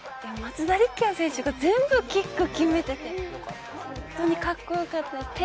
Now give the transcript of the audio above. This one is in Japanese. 松田力也選手が全部キックを決めて、本当にカッコよかった。